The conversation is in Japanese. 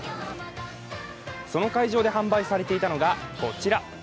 その会場で販売されていたのが、こちら。